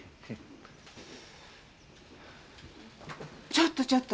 ちょっとちょっと。